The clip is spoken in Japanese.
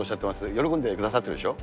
喜んでくださってるでしょ？